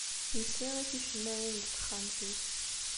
Yessiɣi ticemmaɛin deg texxamt-is.